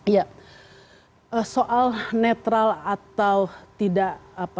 ya soal netral atau tidak